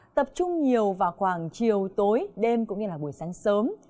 tập trung nhiều vào khoảng chiều tối đêm cũng như buổi sáng sớm